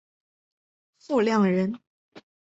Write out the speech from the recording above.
傅亮人。